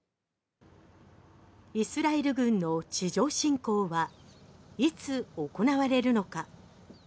イスラエル軍の地上侵攻はいつ行われるのか。